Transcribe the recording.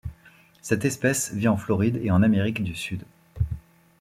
Cette espèce vit en Floride et en Amérique du Sud.